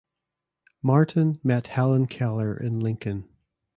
Martin met Helen Keller in Lincoln.